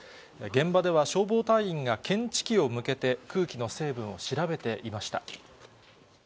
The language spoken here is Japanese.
現場では消防隊員が検知器を向けて、空気の成分を調べていました。